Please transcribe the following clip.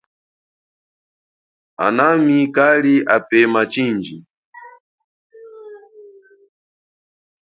Anami kali apema chindji.